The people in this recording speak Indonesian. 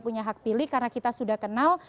punya hak pilih karena kita sudah kenal